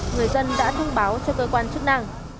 người dân đã thông báo cho cơ quan chức năng